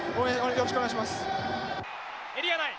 よろしくお願いします。